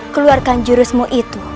keluarkan jurusmu itu